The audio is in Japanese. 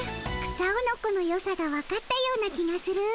草おのこのよさがわかったような気がする。